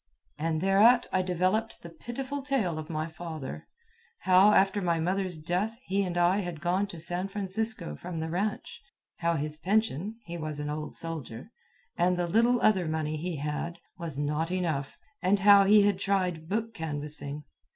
And thereat I developed the pitiful tale of my father how, after my mother's death, he and I had gone to San Francisco from the ranch; how his pension (he was an old soldier), and the little other money he had, was not enough; and how he had tried book canvassing.